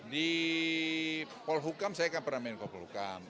di polhukam saya kan pernah menempatkan